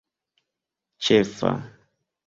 ĉefa